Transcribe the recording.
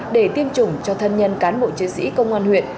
để tiêm chủng cho thân nhân cán bộ chiến sĩ công an huyện